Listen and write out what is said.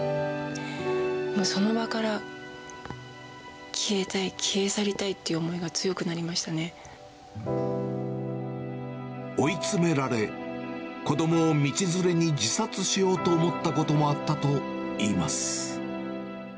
もうその場から消えたい、消え去りたいっていう思いが強くなりま追い詰められ、子どもを道連れに自殺しようと思ったこともあったといいます。